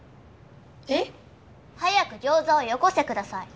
えっ？早くギョウザをよこせください。